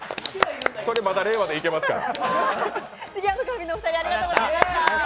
それ、まだ令和でいけますから。